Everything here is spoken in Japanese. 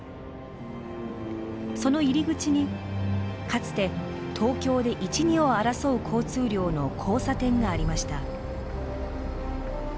その入り口にかつて東京で一二を争う交通量の交差点がありました。